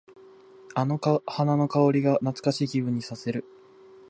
あの花の香りが懐かしい気分にさせる。